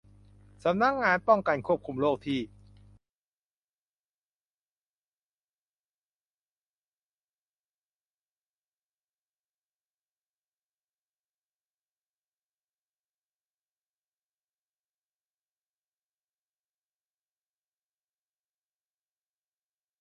เมืองขยายตัวออกไปโดยเฉพาะทางตะวันตกที่เป็นทางไปมหาวิทยาลัยนเรศวร